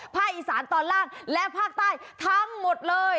อีสานตอนล่างและภาคใต้ทั้งหมดเลย